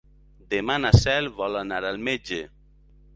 Demà na Cel vol anar al metge.